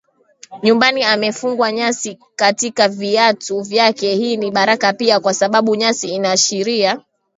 nyumbani amefungwa nyasi katika viatu vyake Hii ni baraka pia kwa sababu nyasi inaashiria